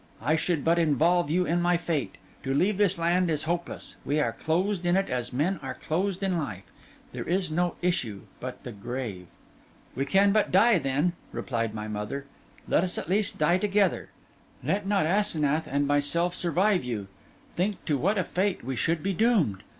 'I should but involve you in my fate. To leave this land is hopeless: we are closed in it as men are closed in life; and there is no issue but the grave.' 'We can but die then,' replied my mother. 'Let us at least die together. Let not Asenath and myself survive you. Think to what a fate we should be doomed!